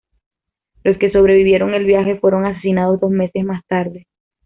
Los que sobrevivieron al viaje fueron asesinados dos meses más tarde.